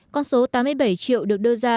con số tám mươi bảy triệu được đưa ra